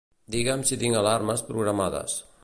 Digue'm si tinc alarmes programades.